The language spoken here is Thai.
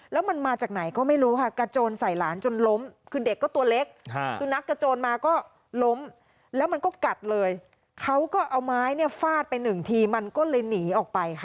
แล้วเอาไม้เนี้ยฟาดไปหนึ่งทีมันก็เลยหนีออกไปค่ะ